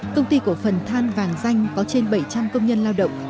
công ty cổ phần than vàng danh có trên bảy trăm linh công nhân lao động